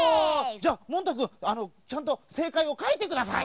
じゃあモンタくんちゃんとせいかいをかいてください。